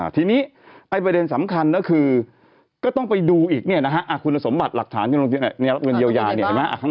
ทีนี้ประเด็นสำคัญก็คือก็ต้องไปดูอีกคุณสมบัติหลักฐานที่รับเงินเยียวยา